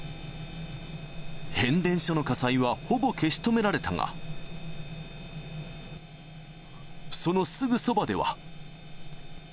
変電所の火災はほぼ消し止められたが、そのすぐそばでは。